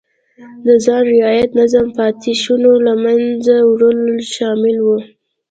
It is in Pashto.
د خان رعیت نظام پاتې شونو له منځه وړل شامل و.